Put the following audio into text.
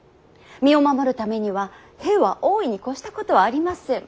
身を守るためには兵は多いに越したことはありません。